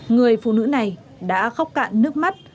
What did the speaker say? người phụ nữ này đã khóc cạn nước mắt